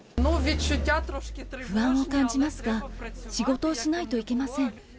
不安を感じますが、仕事をしないといけません。